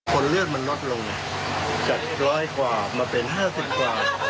คนเลือดมันลดลงจากร้อยกว่ามาเป็น๕๐กว่า